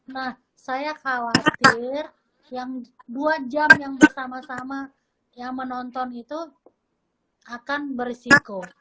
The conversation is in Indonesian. nah saya khawatir yang dua jam yang bersama sama yang menonton itu akan berisiko